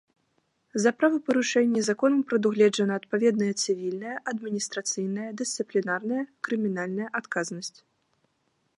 За правапарушэнні законам прадугледжана адпаведная цывільная, адміністрацыйная, дысцыплінарная, крымінальная адказнасць.